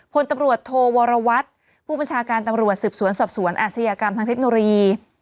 พลตำรวจโทวรวัตรผู้บัญชาการตำรวจสืบสวนสอบสวนอาชญากรรมทางเทคโนโลยี